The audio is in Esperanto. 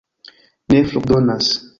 ne fruktodonas.